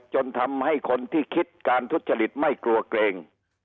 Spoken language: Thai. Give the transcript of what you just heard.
จนทำให้คนที่คิดการทุจริตไม่กลัวเกรง